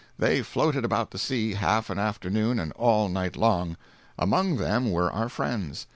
They floated about the sea half an afternoon and all night long. Among them were our friends.